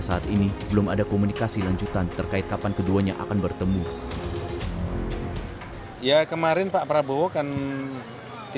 memang ada undangan dari keputusan jokowi